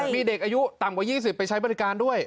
มีเด็กอายุต่ำกว่า๒๐ไปใช้บริการด้วย